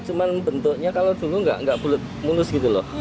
cuma bentuknya kalau dulu nggak mulus gitu loh